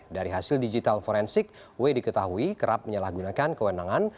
dari hasil digital forensik w diketahui kerap menyalahgunakan kewenangan